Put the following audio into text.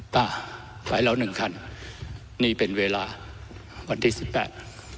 อ่าไปแล้วหนึ่งคันนี่เป็นเวลาวันที่สิบแปด